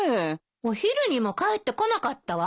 お昼にも帰ってこなかったわ。